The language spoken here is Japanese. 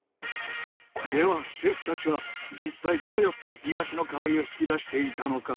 ではシェフたちは実際どうやってイワシの香りを引き出していたのか？